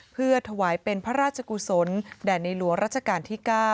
เพื่อถวายเป็นพระราชกุศลแด่ในหลวงราชการที่๙